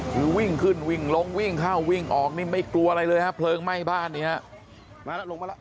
หรือวิ่งขึ้นวิ่งลงวิ่งเข้าวิ่งออกนี่ไม่กลัวอะไรเลยครับเพลิงไหม้บ้านเนี่ยครับ